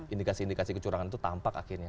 indikasi indikasi kecurangan itu tampak akhirnya